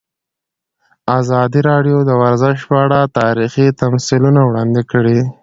ازادي راډیو د ورزش په اړه تاریخي تمثیلونه وړاندې کړي.